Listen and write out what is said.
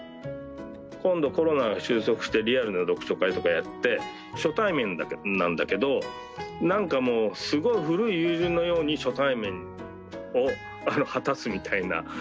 今度コロナが収束してリアルな読書会とかやって初対面なんだけどなんかもうすごい古い友人のように初対面を果たすみたいな。